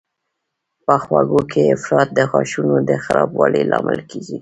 په خوږو کې افراط د غاښونو د خرابوالي لامل کېږي.